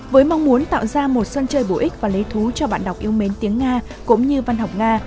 với mong muốn tạo ra một sân chơi bổ ích và lý thú cho bạn đọc yêu mến tiếng nga cũng như văn học nga